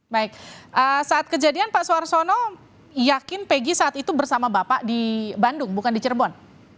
baik saat kejadian pak suarsono yakin peggy saat itu bersama bapak di bandung bukan di cirebon